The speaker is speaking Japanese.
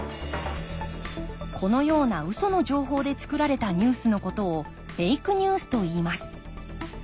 このようなウソの情報でつくられたニュースのことをフェイクニュースといいます。